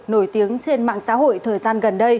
nổi tiếng trên mạng xã hội thời gian gần